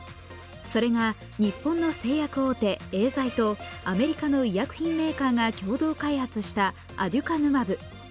それが日本の製薬大手、エーザイとアメリカの医薬品メーカーが共同開発したアデュカヌマブ。